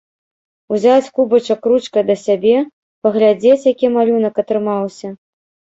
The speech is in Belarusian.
Узяць кубачак ручкай да сябе, паглядзець, які малюнак атрымаўся.